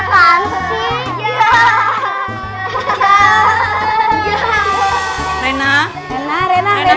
maksudnya kami bisa ber conseg tangan things